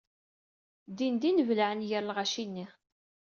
Dindin belɛen gar lɣaci-nni.